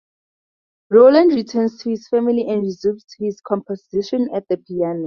Roland returns to his family and resumes his composition at the piano.